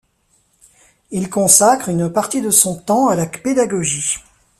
Il consacre une partie de son temps à la pédagogie.